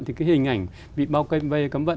thì cái hình ảnh bị bao vây cấm vận